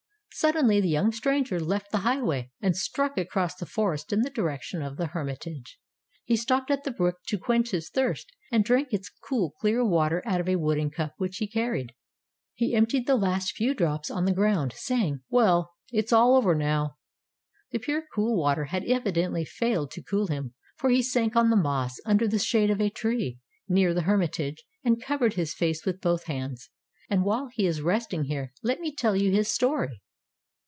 Suddenly the young stranger left the high way, and struck across the forest in the direction of the hermitage. He stopped at the brook to quench his thirst, and drank its cool clear water out of a wooden cup which he carried. He emptied the last few drops on the ground, saying, ''Well, it's all over now." The pure cool water had evidently failed to cool him, for he sank on the moss, under the shade of a tree, near the hermitage, and covered his face with both hands. And while he is resting here, let me tell you his story.